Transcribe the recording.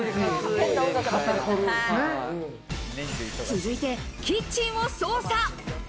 続いてキッチンを捜査。